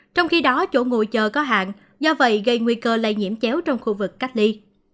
trong khi đó chỗ ngồi chờ có hạn do vậy gây nguy cơ lây nhiễm chéo trong khu vực cách ly